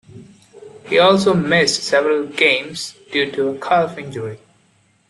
He also missed several games due to a calf injury.